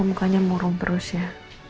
mukanya murung terus ya